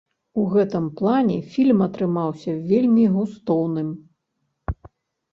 У гэтым плане фільм атрымаўся вельмі густоўным.